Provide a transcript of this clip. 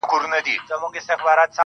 د طبیعت په تقاضاوو کي یې دل و ول کړم.